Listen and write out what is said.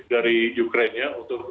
dari ukraina untuk